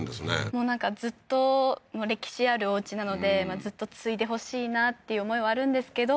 もうなんかずっと歴史あるおうちなのでずっと継いでほしいなっていう思いはあるんですけど